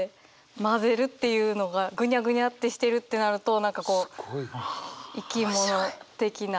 混ぜるっていうのがぐにゃぐにゃってしてるってなると何かこう生き物的な。